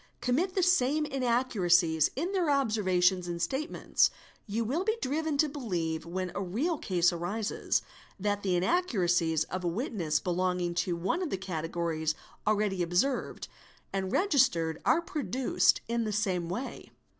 commit the same inaccuracies in their observations and statements, you will be driven to believe, when a real case arises, that the inaccuracies of a witness belonging to one of the categories already observed and registered are produced in the same way.